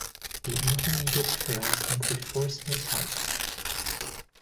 The intermediate trails include four snow parks.